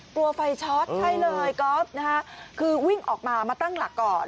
กลัวไฟช็อตใช่เลยก๊อฟนะคะคือวิ่งออกมามาตั้งหลักก่อน